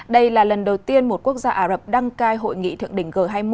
đây là lần đầu tiên một quốc gia ả rập đăng cai hội nghị thượng đỉnh g hai mươi